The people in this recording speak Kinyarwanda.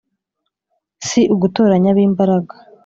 si ugutoranya ab’imbaraga